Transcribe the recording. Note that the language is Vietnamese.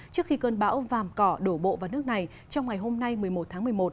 trước khi cơn bão vàm cỏ đổ bộ vào nước này trong ngày hôm nay một mươi một tháng một mươi một